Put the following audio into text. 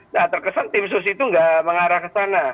nah terkesan tim sus itu tidak mengarah kesan